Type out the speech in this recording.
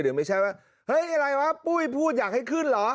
หรือไม่ใช่ว่าเฮ้ยอะไรวะปุ้ยพูดอยากให้ขึ้นเหรอ